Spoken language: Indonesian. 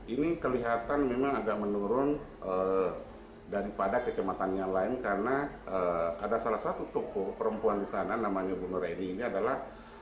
ini kelihatan memang agak menurun daripada kecematan yang lain karena ada salah satu toko perempuan di sana namanya bu nur reni ini adalah